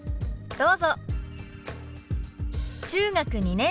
どうぞ。